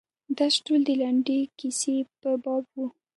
درس ټول د لنډې کیسې په باب و.